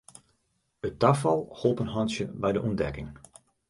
It tafal holp in hantsje by de ûntdekking.